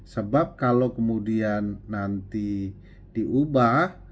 sebab kalau kemudian nanti diubah